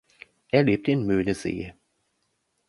Er lebte in Möhnesee.